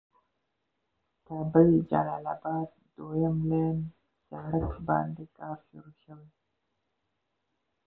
کابل جلال آباد دويم لين سړک باندې کار شروع شوي.